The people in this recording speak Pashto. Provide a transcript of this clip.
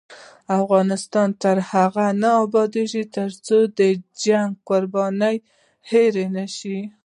افغانستان تر هغو نه ابادیږي، ترڅو د جنګ قربانیان هیر نشي.